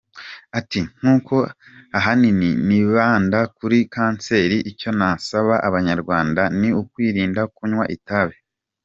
Ati “ Nk’uko ahanini nibanda kuri kanseri, icyo nasaba abanyarwanda ni ukwirinda kunywa itabi.